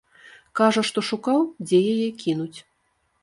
Кажа, што шукаў, дзе яе кінуць.